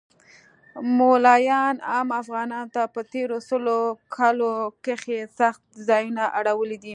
مولایانو عام افغانانو ته په تیرو سلو کلو کښی سخت ځیانونه اړولی دی